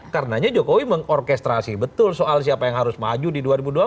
karenanya jokowi mengorkestrasi betul soal siapa yang harus maju di dua ribu dua puluh empat